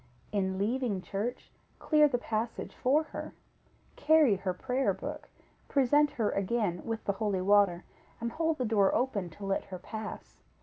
In leaving church, clear the passage for her; carry her prayer book, present her again with the holy water, and hold the door open to let her pass.